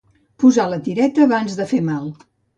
Posar la tireta abans de fer mal.